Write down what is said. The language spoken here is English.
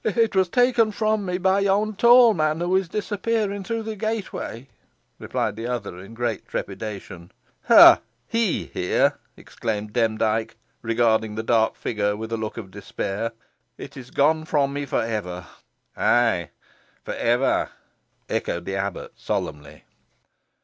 "It was taken from me by yon tall man who is disappearing through the gateway," replied the other, in great trepidation. "Ha! he here!" exclaimed Demdike, regarding the dark figure with a look of despair. "It is gone from me for ever!" "Ay, for ever!" echoed the abbot, solemnly.